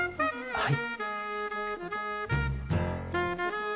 はい。